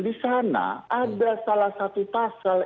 disana ada salah satu pasal